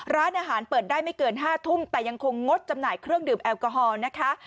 ร้านอาหารเปิดได้ไม่เกิน๕ทุ่มแต่ยังคงงดจำหน่ายเครื่องดื่มแอลกอฮอล์นะคะ